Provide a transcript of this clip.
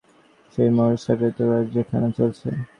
সেই মোহরের ছাপেই তো রাজ্যিখানা চলছে।